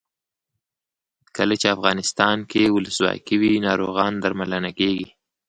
کله چې افغانستان کې ولسواکي وي ناروغان درملنه کیږي.